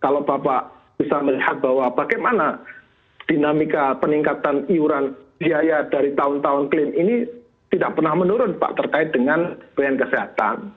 kalau bapak bisa melihat bahwa bagaimana dinamika peningkatan iuran biaya dari tahun tahun klaim ini tidak pernah menurun pak terkait dengan pelayanan kesehatan